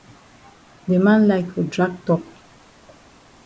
De man like for drag tok.